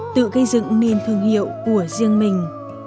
tự gây dựng nền thương hiệu của riêng mình